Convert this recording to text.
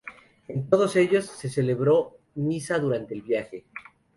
En todos ellos, se celebró misa durante el viaje.